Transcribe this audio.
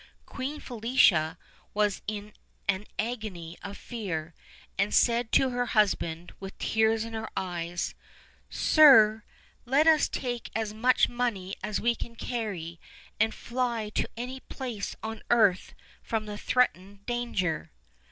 Queen Felicia was in an agony of fear, and said to her husband, with tears in her eyes: "Sire, let us take as much money as we can carry, and fly to any place on earth from the threatened danger."